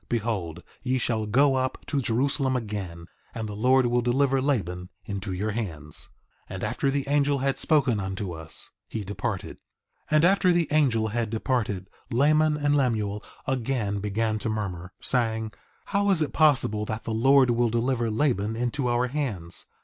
Behold ye shall go up to Jerusalem again, and the Lord will deliver Laban into your hands. 3:30 And after the angel had spoken unto us, he departed. 3:31 And after the angel had departed, Laman and Lemuel again began to murmur, saying: How is it possible that the Lord will deliver Laban into our hands?